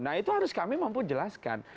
nah itu harus kami mampu jelaskan